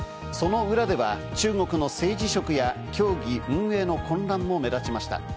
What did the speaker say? その裏では中国の政治色や競技運営の困難も目立ちました。